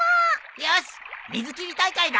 よし水切り大会だ！